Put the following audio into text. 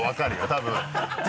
多分。